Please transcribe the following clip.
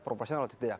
proporsional atau tidak